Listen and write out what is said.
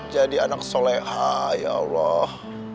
jadi anak soleha ya allah